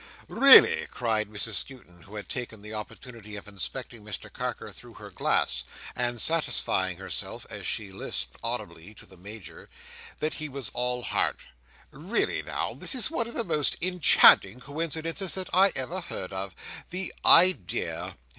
"Really," cried Mrs Skewton, who had taken this opportunity of inspecting Mr Carker through her glass, and satisfying herself (as she lisped audibly to the Major) that he was all heart; "really now, this is one of the most enchanting coincidences that I ever heard of. The idea!